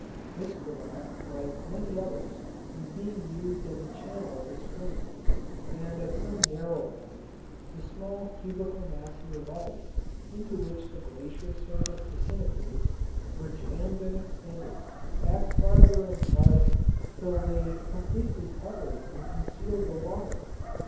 This crevasse like many others was being used as the channel of a stream, and at some narrow point the small cubical masses of ice into which the glacier surface disintegrates were jammed and extended back farther and farther till they completely covered and concealed the water.